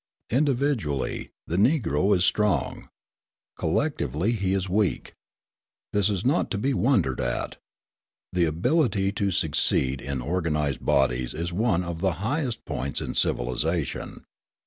Individually, the Negro is strong. Collectively, he is weak. This is not to be wondered at. The ability to succeed in organised bodies is one of the highest points in civilisation.